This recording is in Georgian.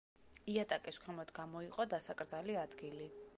იატაკის ქვემოთ გამოიყო დასაკრძალი ადგილი.